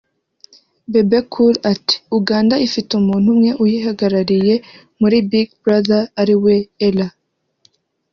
Bebe Cool ati “Uganda ifite umuntu umwe uyihagarariye muri Big Brother ari we Ellah